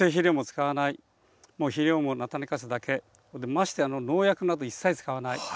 ましてや農薬など一切使わない。